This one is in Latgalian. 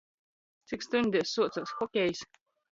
Cik stuņdēs suocās hokejs?